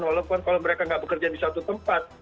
walaupun kalau mereka nggak bekerja di satu tempat